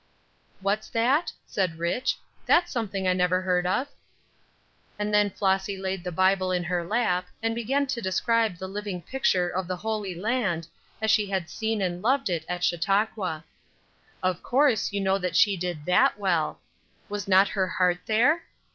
"What's that?" said Rich. "That's something I never heard of." And then Flossy laid her Bible in her lap, and began to describe the living picture of the Holy Land, as she had seen and loved it at Chautauqua. Of course you know that she did that well. Was not her heart there?